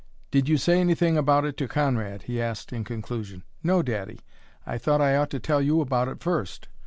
"Did you say anything about it to Conrad?" he asked in conclusion. "No, daddy; I thought I ought to tell you about it first."